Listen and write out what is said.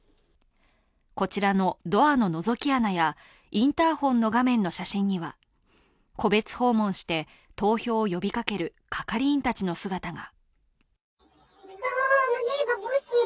こちらのドアののぞき穴やインターホンの画面の写真には、戸別訪問して投票を呼びかける係員たちの姿が。